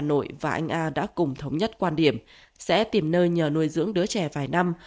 hà nội và anh a đã cùng thống nhất quan điểm sẽ tìm nơi nhờ nuôi dưỡng đứa trẻ vài năm